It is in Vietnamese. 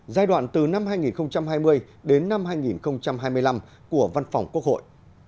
giai đoạn từ năm hai nghìn hai mươi đến năm hai nghìn hai mươi năm của văn phòng quốc hội